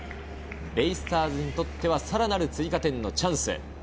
ベイスターズにとっては、さらなる追加点のチャンス。